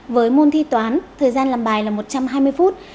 với môn thi toán thời gian làm bài là một trăm hai mươi phút